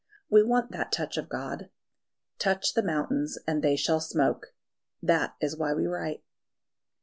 We want that touch of God: "Touch the mountains, and they shall smoke." That is why we write.